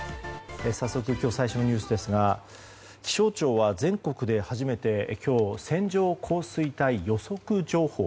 早速、最初のニュースですが気象庁は全国で初めて今日、線状降水帯予測情報